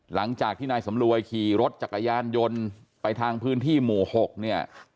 หลังจากที่นายสำรวยขี่รถจักรยานยนต์ไปทางพื้นที่หมู่๖เนี่ย